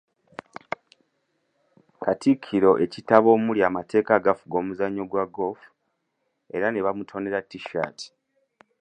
Katikkiro ekitabo omuli amateeka agafuga omuzannyo gwa golf era ne bamutonera T-shirt.